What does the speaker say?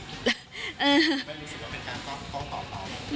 ไม่รู้สึกว่าเป็นการต้องตอบเมาส์เหรอ